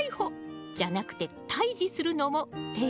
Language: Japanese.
じゃなくて退治するのも手よ。